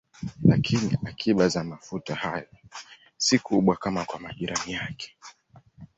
Lakini akiba za mafuta hayo si kubwa kama kwa majirani yake.